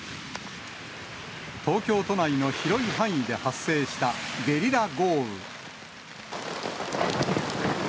東京都内の広い範囲で発生したゲリラ豪雨。